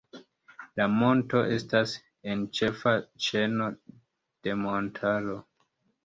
La monto estas en ĉefa ĉeno de montaro.